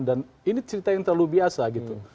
dan ini cerita yang terlalu biasa gitu